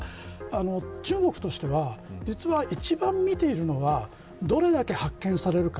中国としては一番見ているのはどれだけ発見されるか。